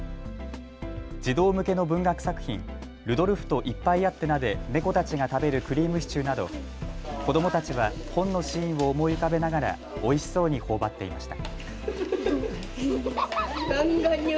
児童向けの文学作品、ルドルフとイッパイアッテナで猫たちが食べるクリームシチューなど子どもたちは本のシーンを思い浮かべながらおいしそうにほおばっていました。